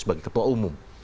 sebagai ketua umum